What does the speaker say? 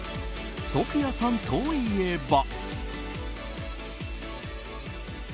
ソフィアさんといえば。